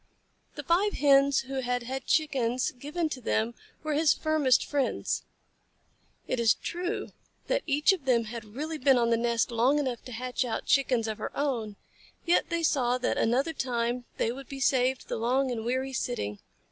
The five Hens who had had Chickens given to them were his firmest friends. It is true that each of them had really been on the nest long enough to hatch out Chickens of her own, yet they saw that another time they would be saved the long and weary sitting.